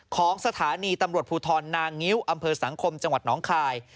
ของสถานีตำรวจภูทรนางงิ้วอำเภอสังคมจังหวัดน้องคาย